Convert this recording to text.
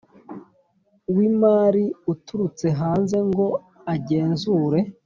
w imari uturutse hanze ngo agenzure